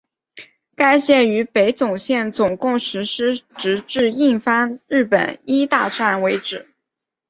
该线与北总线共用设施直至印幡日本医大站为止。